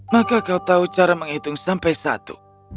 dan kamu tahu cara menghitung sampai satu